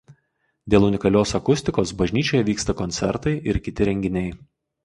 Dėl unikalios akustikos bažnyčioje vyksta koncertai ir kiti renginiai.